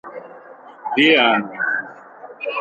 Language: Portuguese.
Viana